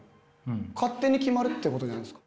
勝手に決まるってことですか？